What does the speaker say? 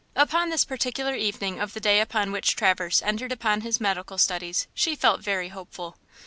Upon this particular evening of the day upon which Traverse entered upon his medical studies she felt very hopeful.